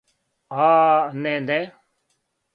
А, не, не.